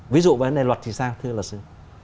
ví dụ vấn đề luật thì sao thưa luật sư